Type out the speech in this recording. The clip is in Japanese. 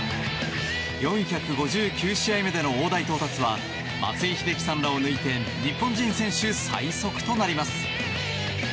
４５９試合目での大台到達は松井秀喜さんらを抜いて日本人選手最速となります。